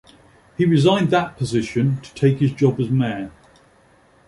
He resigned that position to take his job as Mayor.